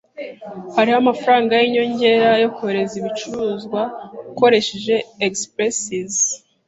Hariho amafaranga yinyongera yo kohereza ibicuruzwa ukoresheje Express.